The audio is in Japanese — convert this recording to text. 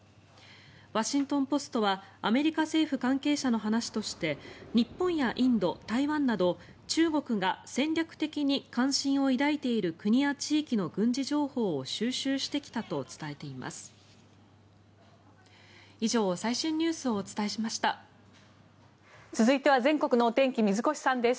ワシントン・ポストはアメリカ政府関係者の話として日本やインド、台湾など中国が戦略的に関心を抱いている国や地域の軍事情報を収集してきたと伝えています。